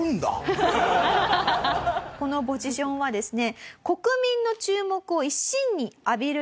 このポジションはですね